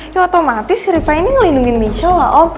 ya otomatis rifah ini ngelindungi michelle lah om